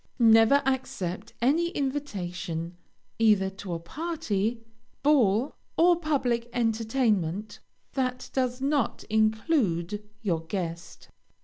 Never accept any invitation, either to a party, ball, or public entertainment, that does not include your guest.